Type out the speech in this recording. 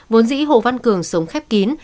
vốn dĩ hồ văn cường sống khép kín